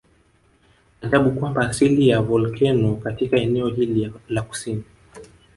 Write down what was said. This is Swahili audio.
Ajabu kwamba asili ya volkeno katika eneo hili la kusini